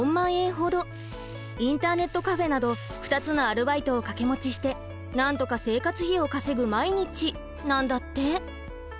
インターネットカフェなど２つのアルバイトを掛け持ちしてなんとか生活費を稼ぐ毎日なんだって。